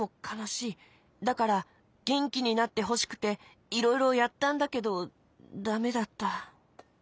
だからげんきになってほしくていろいろやったんだけどダメだった。